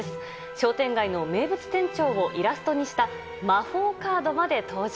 商店街の名物店長をイラストにした魔法カードまで登場。